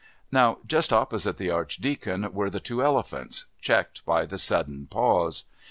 Now, just opposite the Archdeacon were the two elephants, checked by the sudden pause.